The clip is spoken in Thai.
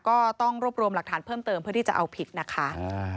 ก็ต้องรวบรวมหลักฐานเพิ่มเติมเพื่อที่จะเอาผิดนะคะ